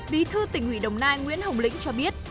bí thư tỉnh ủy đồng nai nguyễn hồng lĩnh cho biết